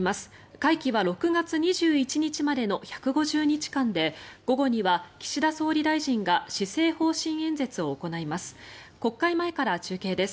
会期は６月２１日までの１５０日間で午後には岸田総理大臣が施政方針演説を行います。